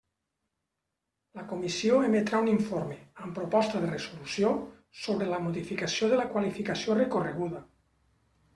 La comissió emetrà un informe, amb proposta de resolució, sobre la modificació de la qualificació recorreguda.